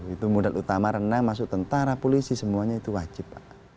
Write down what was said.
itu modal utama renang masuk tentara polisi semuanya itu wajib pak